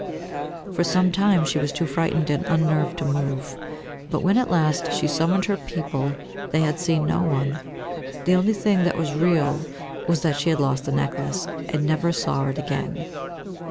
For some time she was too frightened and unnerved to move, but when at last she summoned her people they had seen no one. The only thing that was real was that she had lost the necklace, and never saw it again.